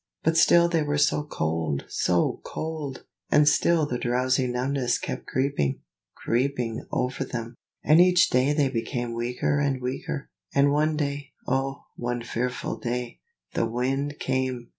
But still they were so cold, so cold! and still the drowsy numbness kept creeping, creeping over them, and each day they became weaker and weaker. And one day, oh! one fearful day, the Wind came.